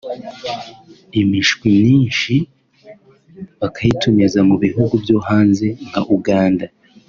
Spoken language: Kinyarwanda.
imishwi myinshi bakayitumiza mu bihugu byo hanze nka Uganda